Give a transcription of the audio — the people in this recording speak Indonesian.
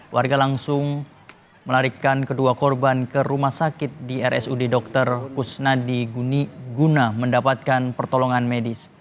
warga langsung melarikan kedua korban ke rumah sakit di rsud dr kusnadi guna mendapatkan pertolongan medis